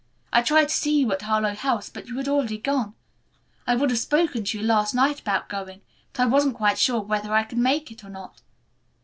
I tried to see you at Harlowe House, but you had already gone. I would have spoken to you last night about going, but I wasn't quite sure whether I could make it or not."